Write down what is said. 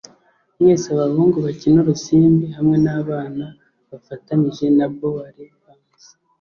mwese abahungu bakina urusimbi hamwe nabana bafatanije na bowery bums